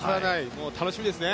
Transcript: もう、楽しみですね。